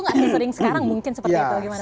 atau sering sekarang mungkin seperti itu gimana prof